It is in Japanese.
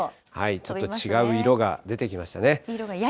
ちょっと違う色が出てきましたね。